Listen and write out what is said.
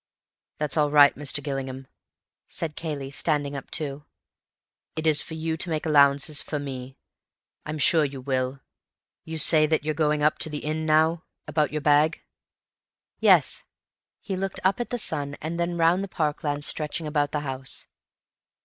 "That's all right, Mr. Gillingham," said Cayley, standing up too. "It is for you to make allowances for me. I'm sure you will. You say that you're going up to the inn now about your bag?" "Yes." He looked up at the sun and then round the parkland stretching about the house.